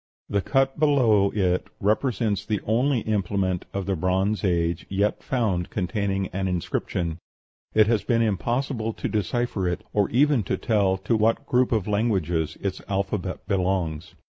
The cut below it represents the only implement of the Bronze Age yet found containing an inscription. It has been impossible to decipher it, or even to tell to what group of languages its alphabet belongs.